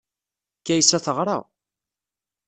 Kaysa teɣra.